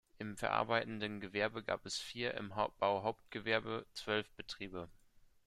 Im verarbeitenden Gewerbe gab es vier, im Bauhauptgewerbe zwölf Betriebe.